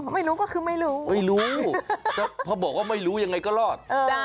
ไม่รู้ก็คือไม่รู้ไม่รู้แต่พอบอกว่าไม่รู้ยังไงก็รอด